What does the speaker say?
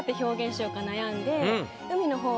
悩んで。